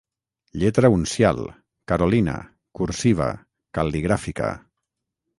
Lletra uncial, carolina, cursiva, cal·ligràfica.